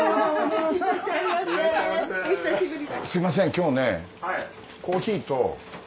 すみません今日ねコーヒーと例の。